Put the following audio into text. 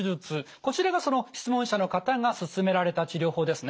こちらがその質問者の方が勧められた治療法ですね。